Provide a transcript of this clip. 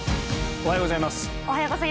おはようございます。